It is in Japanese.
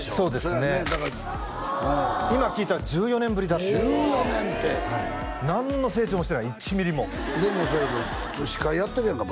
そうやねだからうん今聞いたら１４年ぶりだって１４年って何の成長もしてない１ミリもでもそうやけど司会やってるやんか